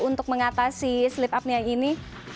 untuk mengatasi sleep apnea ini